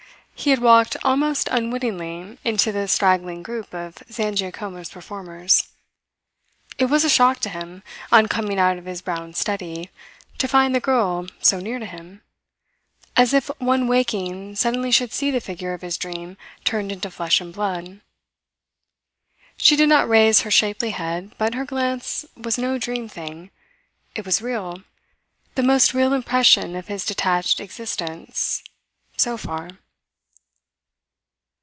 He had walked almost unwittingly into the straggling group of Zangiacomo's performers. It was a shock to him, on coming out of his brown study, to find the girl so near to him, as if one waking suddenly should see the figure of his dream turned into flesh and blood. She did not raise her shapely head, but her glance was no dream thing. It was real, the most real impression of his detached existence so far.